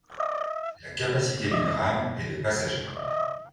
La capacité d'une rame est de passagers.